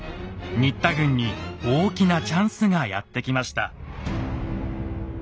新田軍に大きなチャンスがやって来ました。